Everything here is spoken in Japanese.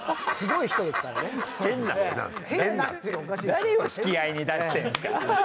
誰を引き合いに出してるんですか。